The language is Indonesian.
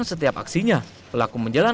mereka tidak bisa berpengalaman